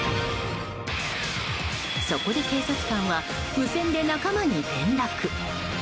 そこで警察官は無線で仲間に連絡。